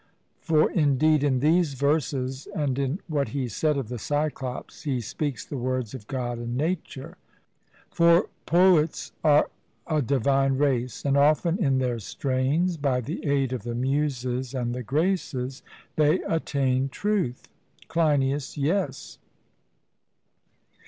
For indeed, in these verses, and in what he said of the Cyclopes, he speaks the words of God and nature; for poets are a divine race, and often in their strains, by the aid of the Muses and the Graces, they attain truth. CLEINIAS: Yes.